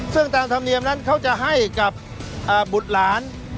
ซึ่งตามธรรมเนียมนั้นเขาจะให้กับบุตรหลาน